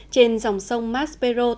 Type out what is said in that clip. trên dòng sông mass periscope